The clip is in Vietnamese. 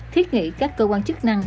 thiết nghĩ các cơ quan chức năng